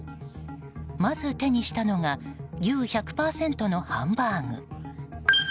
まず手にしたのが牛１００％のハンバーグ。